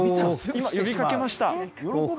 今、呼びかけました。